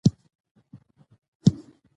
د افغانستان په منظره کې سنگ مرمر ښکاره ده.